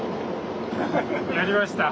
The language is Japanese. やりました。